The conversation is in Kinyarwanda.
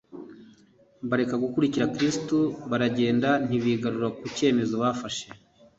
Bareka gukurikira Kristo, baragenda ntibigarura ku cyemezo bafashe.